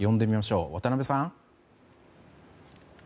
渡辺さん。